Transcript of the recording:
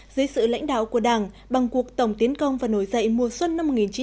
dưới sự lãnh đạo của đảng bằng cuộc tổng tiến công và nổi dậy mùa xuân năm một nghìn chín trăm bảy mươi năm